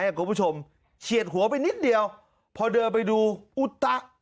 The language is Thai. คุณผู้ชมเฉียดหัวไปนิดเดียวพอเดินไปดูอุตะ